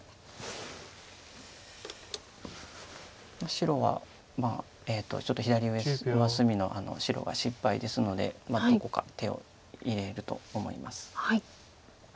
白はちょっと左上隅の白が心配ですのでどこか手を入れると思います。